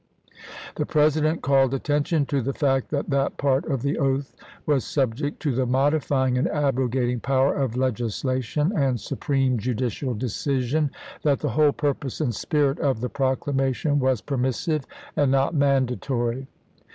The President called attention to the fact that that part of the oath was subject to the modifying and abrogating power of legislation and supreme judicial decision; that the whole purpose and spirit of the proclamation was permissive and not mandatory.